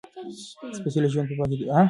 سپېڅلی ژوند په پاکۍ کې دی.